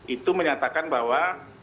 itu menyatakan bahwa